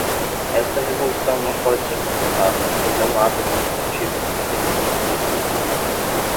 Esta resolução não pode ser contestada, pois é um ato administrativo de procedimento desqualificado.